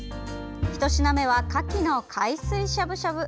１品目はかきの海水しゃぶしゃぶ。